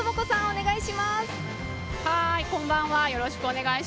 お願いします。